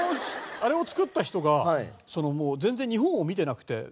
あれを作った人がもう全然日本を見てなくて。